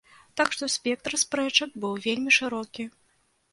Так што спектр спрэчак быў вельмі шырокі.